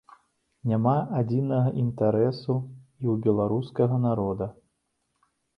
Няма адзінага інтарэсу і ў беларускага народа.